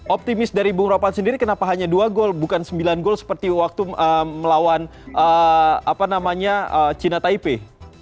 optimis dari bung ropan sendiri kenapa hanya dua gol bukan sembilan gol seperti waktu melawan china taipei